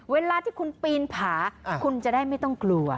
เวลาที่คุณปีนผาคุณจะได้ไม่ต้องกลัว